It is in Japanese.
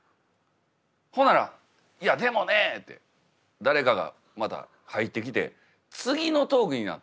ほなら「いやでもね」って誰かがまた入ってきて次のトークになった。